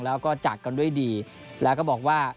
แล้วก็จากกันด้วยดีแล้วก็บอกว่า